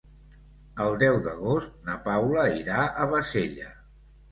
El deu d'agost na Paula irà a Bassella.